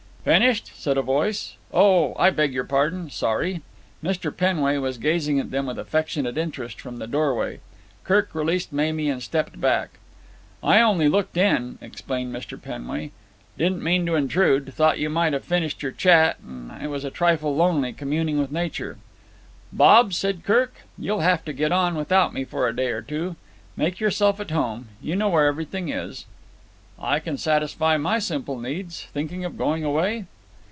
"Finished?" said a voice. "Oh, I beg your pardon. Sorry." Mr. Penway was gazing at them with affectionate interest from the doorway. Kirk released Mamie and stepped back. "I only looked in," explained Mr. Penway. "Didn't mean to intrude. Thought you might have finished your chat, and it was a trifle lonely communing with nature." "Bob," said Kirk, "you'll have to get on without me for a day or two. Make yourself at home. You know where everything is." "I can satisfy my simple needs. Thinking of going away?"